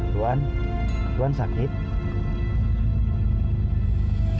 tuan tuan sakit